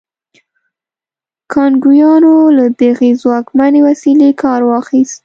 کانګویانو له دغې ځواکمنې وسیلې کار واخیست.